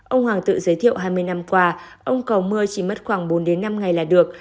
ông hoàng tự giới thiệu hai mươi năm qua ông cầu mưa chỉ mất khoảng bốn đến năm ngày là được